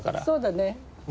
そうだね。